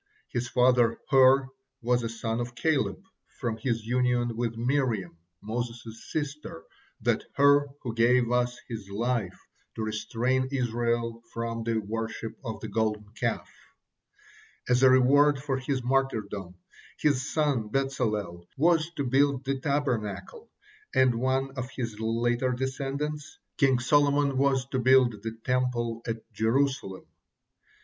His father Hur was a son of Caleb from his union with Miriam, Moses' sister, that Hur who gave his life to restrain Israel from the worship of the Golden Calf. As a reward for his martyrdom, his son Bezalel was to build the Tabernacle, and one of his later descendants, King Solomon, was to build the Temple at Jerusalem.